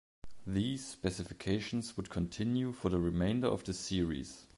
These specifications would continue for the remainder of the series.